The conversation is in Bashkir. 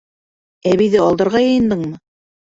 Әбейҙе алдарға йыйындыңмы?